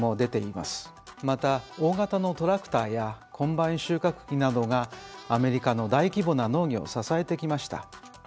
また大型のトラクターやコンバイン収穫機などがアメリカの大規模な農業を支えてきました。